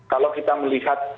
kalau kita melihat